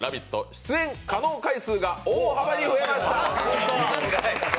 出演可能回数が大幅に増えました。